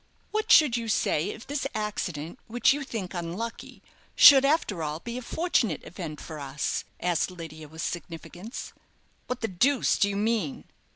"What should you say if this accident, which you think unlucky, should, after all, be a fortunate event for us?" asked Lydia, with significance. "What the deuce do you mean?"